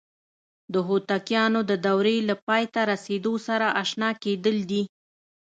د هوتکیانو د دورې له پای ته رسیدو سره آشنا کېدل دي.